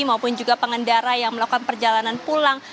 maupun juga pengendara yang melakukan perjalanan pulang